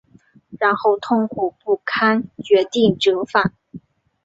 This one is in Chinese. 然后痛苦不堪决定折返